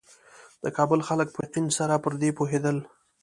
د کابل خلک په یقین سره پر دې پوهېدل.